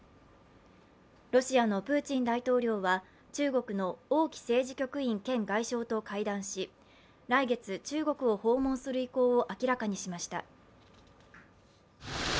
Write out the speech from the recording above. ロシアのプーチン大統領は、中国の王毅政治局員兼外相と会談し、来月、中国を訪問する意向を明らかにしました。